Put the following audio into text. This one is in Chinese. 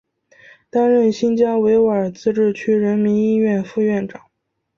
担任新疆维吾尔自治区人民医院副院长。